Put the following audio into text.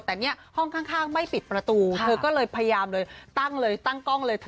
แต่เนี่ยห้องข้างไม่ปิดประตูเธอก็เลยพยายามเลยตั้งเลยตั้งกล้องเลย